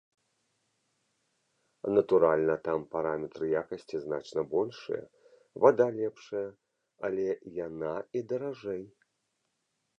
Натуральна, там параметры якасці значна большыя, вада лепшая, але яна і даражэй.